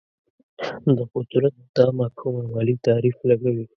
د قدرت دا مفهوم علمي تعریف لګوي